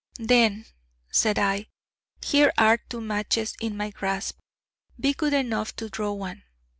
'Then,' said I, 'here are two matches in my grasp: be good enough to draw one.'